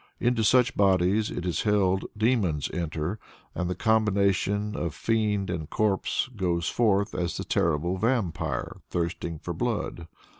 Into such bodies, it is held, demons enter, and the combination of fiend and corpse goes forth as the terrible Vampire thirsting for blood.